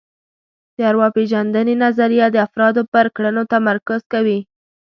د ارواپېژندنې نظریه د افرادو پر کړنو تمرکز کوي